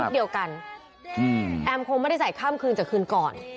เดียวกันแอมคงไม่ได้ใส่ข้ามคืนจากคืนก่อน